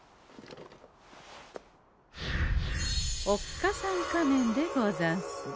おっかさん仮面でござんす。